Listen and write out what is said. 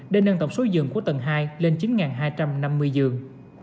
để nâng tổng số giường của tầng hai lên chín hai trăm năm mươi giường